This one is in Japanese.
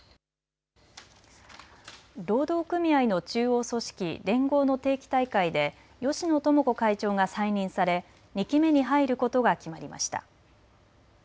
労働組合の中央組織、連合の定期大会で芳野友子会長が再任され２期目に入ることが決まりました。